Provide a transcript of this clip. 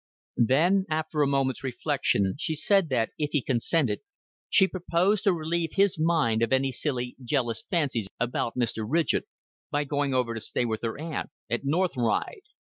Then after a moment's reflection she said that, if he consented, she proposed to relieve his mind of any silly jealous fancies about Mr. Ridgett by going over to stay with her aunt at North Ride.